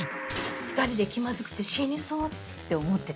２人で気まずくて死にそうって思ってたでしょ。